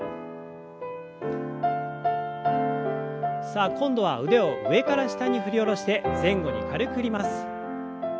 さあ今度は腕を上から下に振り下ろして前後に軽く振ります。